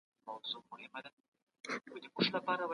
خلک باید د روغتیا خیال وساتي.